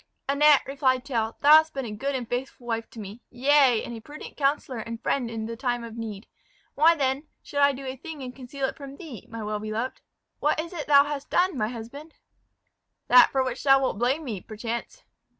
"Annette," replied Tell, "thou hast been a good and faithful wife to me yea, and a prudent counsellor and friend in the time of need. Why, then, should I do a thing and conceal it from thee, my well beloved?" "What is it thou hast done, my husband?" "That for which thou wilt blame me, perchance."